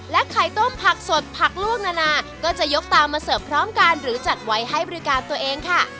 ไข่ต้มผักสดผักล่วงนานาก็จะยกตามมาเสิร์ฟพร้อมกันหรือจัดไว้ให้บริการตัวเองค่ะ